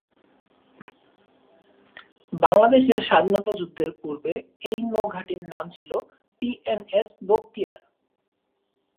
বাংলাদেশের স্বাধীনতা যুদ্ধের পূর্বে এই নৌ ঘাঁটির নাম ছিল পিএনএস বখতিয়ার।